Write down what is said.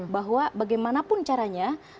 bahwa bagaimanapun caranya